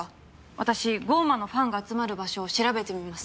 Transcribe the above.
私『降魔』のファンが集まる場所を調べてみます。